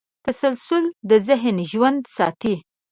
تسلسل د ذهن ژوند ساتي.